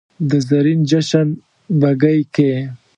د زرین جشن بګۍ کې